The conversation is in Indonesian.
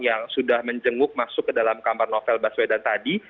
yang sudah menjenguk masuk ke dalam kamar novel baswedan tadi